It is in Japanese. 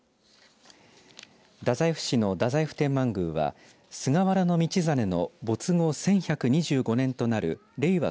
太宰府市の太宰府天満宮は菅原道真の没後１１２５年となる令和